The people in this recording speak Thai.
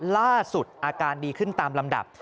ล่าสุดอาการดีขึ้นตามลำดับ